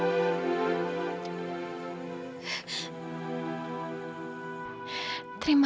aku sudah mencintai kamila